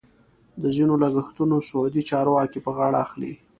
د ځینو لګښتونه سعودي چارواکي په غاړه اخلي.